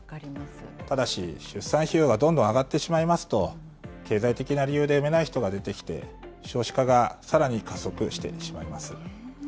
ただし出産費用がどんどん上がってしまいますと、経済的な理由で産めない人が出てきて、少子化がさらに加速してしまいます。